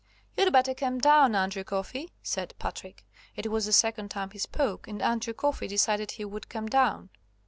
"You'd better come down, Andrew Coffey," said Patrick. It was the second time he spoke, and Andrew Coffey decided he would come down.